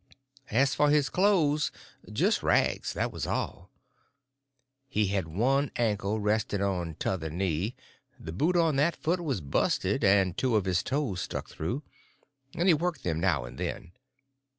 As for his clothes—just rags, that was all. He had one ankle resting on t'other knee; the boot on that foot was busted, and two of his toes stuck through, and he worked them now and then.